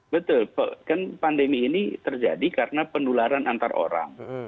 betul kan pandemi ini terjadi karena penularan antar orang